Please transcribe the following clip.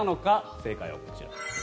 正解はこちら。